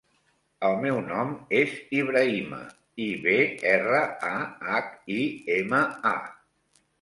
El meu nom és Ibrahima: i, be, erra, a, hac, i, ema, a.